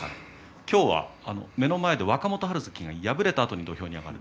今日は目の前で若元春関が敗れたあと土俵に上がる。